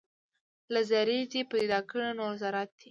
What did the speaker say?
له ذرې دې پیدا کړي نور ذرات دي